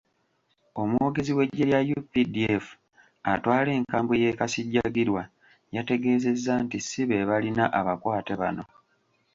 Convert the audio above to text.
Omwogezi w'eggye lya UPDF atwala enkambi y'e Kasijjagirwa, yategeezezza nti ssi be balina abakwate bano.